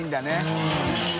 うん。